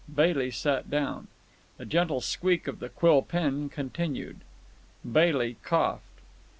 Bailey sat down. The gentle squeak of the quill pen continued. Bailey coughed.